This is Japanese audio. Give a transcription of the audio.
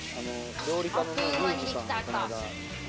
あっという間にできちゃった。